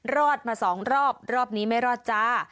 รอดมาสองรอบรอบนี้ไม่รอดจ้า